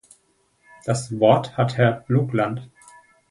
Das Wort hat Herr Blokland.